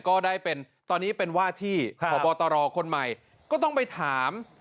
ก็ได้เป็นตอนนี้เป็นว่าที่พบตรคนใหม่ก็ต้องไปถาม